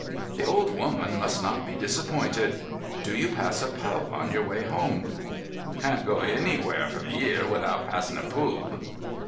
"The old woman must not be disappointed. Do you pass a pub on your way home?" "Can't go anywhere from 'ere without passin' a poob."